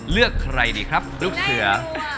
เลือกใครดีครับดูเผย